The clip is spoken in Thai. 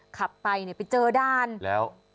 คับไปไปเจอด้านแล้ว